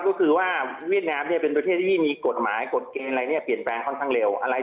กฏรวิเวนทร์เป็นตัวเทศที่มีกฏหมายกฏเกณฑ์อะไรเปลี่ยนค่อนข้างเร็ว